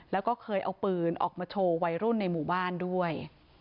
แล้วก็เคยเอาปืนออกมาโชว์วัยรุ่นในหมู่บ้านด้วย